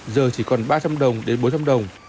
giờ chỉ còn ba trăm linh đồng đến bốn trăm linh đồng